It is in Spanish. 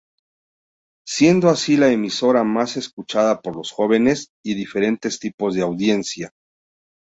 Siendo así la emisora más escuchada por los jóvenes, y diferentes tipos de audiencia.